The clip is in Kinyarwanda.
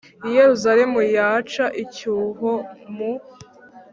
i Yerusalemu y aca icyuho mu